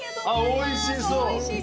おいしそう。